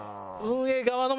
運営側の。